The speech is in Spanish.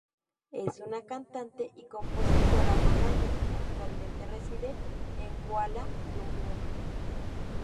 Es una cantante y compositora malaya, actualmente reside en Kuala Lumpur.